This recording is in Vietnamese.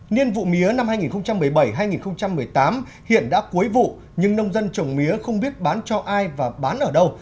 nhiên vụ mía năm hai nghìn một mươi bảy hai nghìn một mươi tám hiện đã cuối vụ nhưng nông dân trồng mía không biết bán cho ai và bán ở đâu